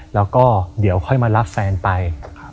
และก็เดี๋ยวมารับแฟนไป